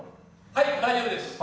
はい大丈夫です。